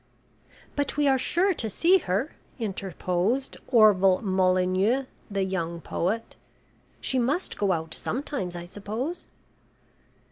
"But we are sure to see her," interposed Orval Molyneux, the young poet. "She must go out sometimes, I suppose."